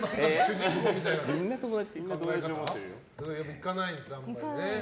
行かないんですね、あんまり。